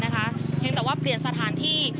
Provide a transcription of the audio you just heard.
เพียงแต่ว่าเปลี่ยนสถานที่